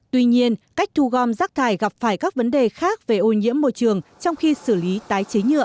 tuy nhiên cách thu gom rác thải gặp phải các vấn đề khác về ô nhiễm môi trường trong khi xử lý tái chế nhựa